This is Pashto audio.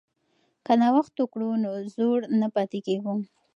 که نوښت وکړو نو زوړ نه پاتې کیږو.